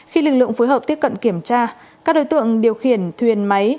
khi lực lượng phối hợp tiếp cận kiểm tra các đối tượng điều khiển thuyền máy